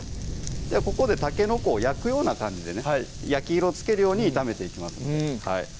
ここでたけのこを焼くような感じでね焼き色をつけるように炒めていきます